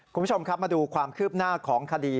คุณผู้ชมครับมาดูความคืบหน้าของคดี